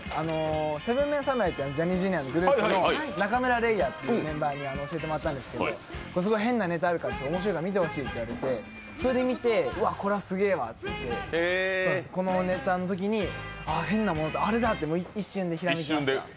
７ＭＥＮ侍っていうジャニーズのグループの中村嶺亜君に教えてもらったんですけどすごい変なネタあるから面白いから見てほしいと言われてそれで見て、これはすげぇわと思ってこのネタのときに変なものあれだと思いました。